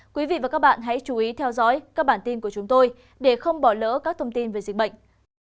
quý vị và các bạn hãy chú ý theo dõi các bản tin của chúng tôi để không bỏ lỡ các thông tin về dịch bệnh